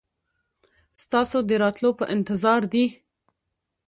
ستاسو د راتلو په انتظار دي.